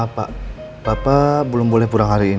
al ada perempuan lain